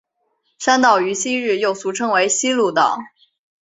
山道于昔日又俗称为希路道。